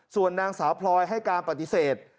ส่วนนางสาวพลอยให้การปฏิเสธ